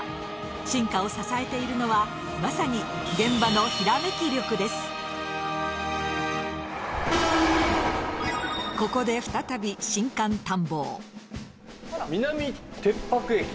進化を支えているのはまさに現場のここで再び南てっぱく駅。